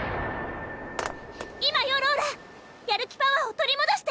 今よローラやる気パワーを取りもどして！